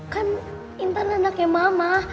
kan intan anaknya mama